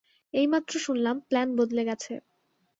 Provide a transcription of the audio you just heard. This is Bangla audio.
এইমাত্র শুনলাম, প্ল্যান বদলে গেছে।